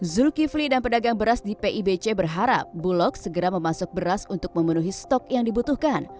zulkifli dan pedagang beras di pibc berharap bulog segera memasuk beras untuk memenuhi stok yang dibutuhkan